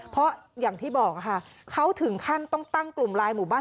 เพราะอย่างที่บอกค่ะเขาถึงขั้นต้องตั้งกลุ่มลายหมู่บ้าน